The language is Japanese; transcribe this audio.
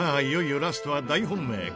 いよいよラストは大本命